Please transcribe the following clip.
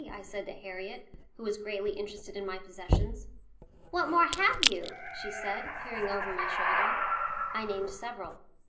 I said to Harriet, who was greatly interested in my possessions. "What more have you?" she said, peering over my shoulder. I named several.